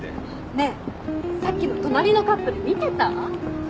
ねえさっきの隣のカップル見てた？